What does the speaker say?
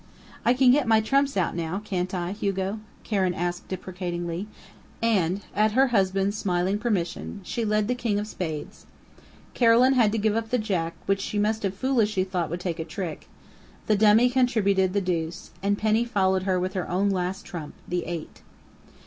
"I can get my trumps out now, can't I, Hugo?" Karen asked deprecatingly, and at her husband's smiling permission, she led the King of Spades, Carolyn had to give up the Jack, which she must have foolishly thought would take a trick; the dummy contributed the deuce, and Penny followed with her own last trump the eight.